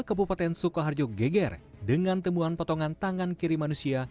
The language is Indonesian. kabupaten sukoharjo geger dengan temuan potongan tangan kiri manusia